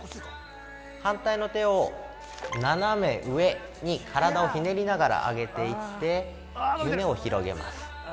反対の手を斜め上に体をひねりながら上げていって胸を広げます。